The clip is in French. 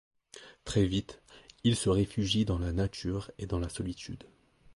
Très vite, il se réfugie dans la nature et dans la solitude.